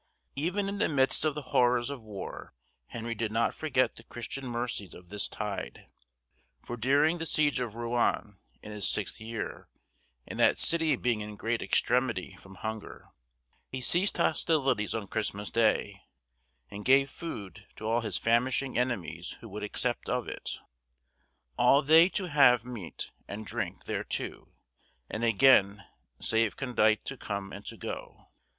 Even in the midst of the horrors of war Henry did not forget the Christian mercies of this tide; for during the siege of Rouen in his sixth year, and that city being in great extremity from hunger, he ceased hostilities on Christmas Day, and gave food to all his famishing enemies who would accept of it. "Alle thay to have mete and drynke therto, And, again, save condyte to come and to go."